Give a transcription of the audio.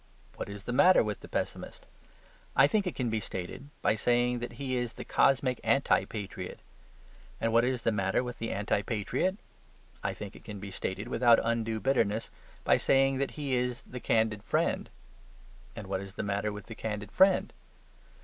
What is the matter with the pessimist? I think it can be stated by saying that he is the cosmic anti patriot. And what is the matter with the anti patriot? I think it can be stated, without undue bitterness, by saying that he is the candid friend. And what is the matter with the candid friend?